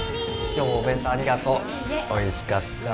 今日もお弁当ありがとういいえおいしかったよ